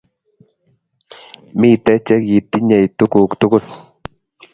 Mitei chekitinyei tuguk tugul